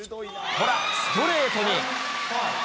ストレートに。